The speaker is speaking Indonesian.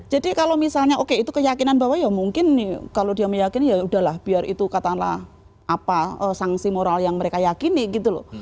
jadi kalau misalnya oke itu keyakinan bahwa ya mungkin kalau dia meyakini ya udahlah biar itu katalah apa sanksi moral yang mereka yakini gitu loh